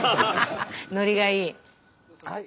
ノリがいい！